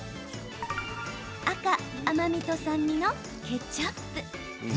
赤・甘みと酸味のケチャップ。